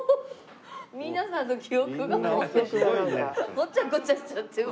ごちゃごちゃしちゃってもう。